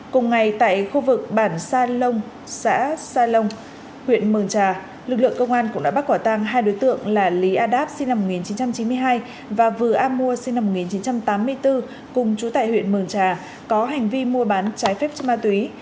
cùng ngày tại khu vực bản sa lông xã sa lông huyện mường trà lực lượng công an cũng đã bắt quả tang hai đối tượng là lý a đáp sinh năm một nghìn chín trăm chín mươi hai và vừa a mua sinh năm một nghìn chín trăm tám mươi bốn cùng chú tại huyện mường trà có hành vi mua bán trái phép ma túy